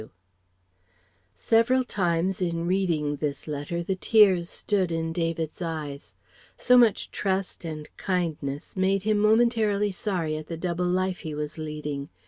V. W. Several times in reading this letter the tears stood in David's eyes. So much trust and kindness made him momentarily sorry at the double life he was leading.